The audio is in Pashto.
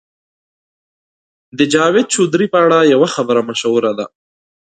د جاوید چودهري په اړه یوه خبره مشهوره ده.